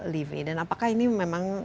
livi dan apakah ini memang